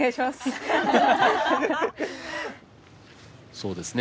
そうですね。